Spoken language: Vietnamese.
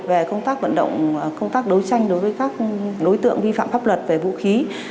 về công tác vận động công tác đấu tranh đối với các đối tượng vi phạm pháp luật về vũ khí